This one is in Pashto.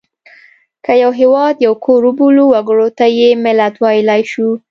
که یو هېواد یو کور وبولو وګړو ته یې ملت ویلای شو.